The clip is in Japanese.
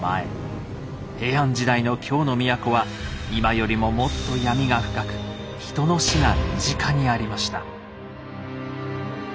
平安時代の京の都は今よりももっと闇が深く人の死が身近にありました。